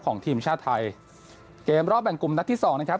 ของทีมชาติไทยเกมรอบแบ่งกลุ่มนัดที่สองนะครับ